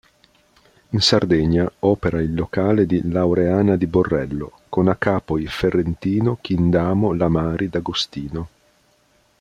In Sardegna opera il locale di Laureana di Borrello, con a capo i Ferrentino-Chindamo-Lamari-D'Agostino.